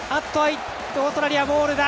オーストラリアボールだ。